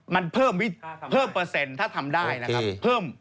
มันเพิ่มเปอร์เซ็นต์ถ้าทำได้นะครับเพิ่ม